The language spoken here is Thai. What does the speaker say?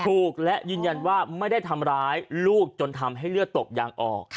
ถูกและยืนยันว่าไม่ได้ทำร้ายลูกจนทำให้เลือดตกยางออก